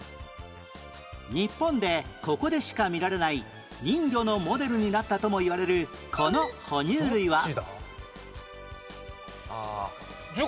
日本でここでしか見られない人魚のモデルになったともいわれるこのほ乳類は？どっちだ？